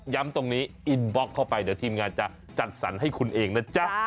ตรงนี้อินบล็อกเข้าไปเดี๋ยวทีมงานจะจัดสรรให้คุณเองนะจ๊ะ